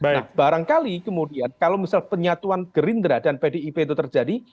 nah barangkali kemudian kalau misal penyatuan gerindra dan pdip itu terjadi